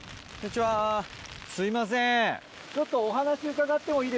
すいません。